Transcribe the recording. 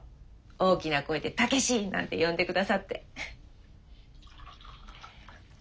大きな声で「武志！」なんて呼んでくださって。